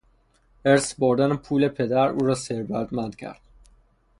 ارث بردن پول پدر، او را ثروتمند کرد.